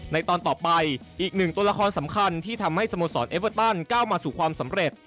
ตอนต่อไปอีกหนึ่งตัวละครสำคัญที่ทำให้สโมสรเอเวอร์ตันก้าวมาสู่ความสำเร็จ